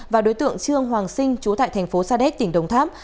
và đối tượng trương hoàng sinh chú tại thành phố sa đéc tỉnh đồng tháp